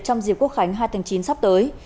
trong dịp quốc khánh hai tháng chín sắp tới